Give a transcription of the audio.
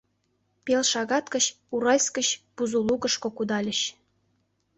Пал шагат гыч Уральск гыч Бузулукышко кудальыч.